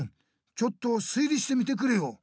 ちょっと推理してみてくれよ。